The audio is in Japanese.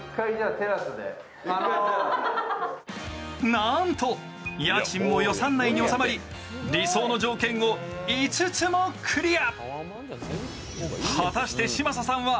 なんと家賃も予算内に収まり理想の条件を５つもクリア。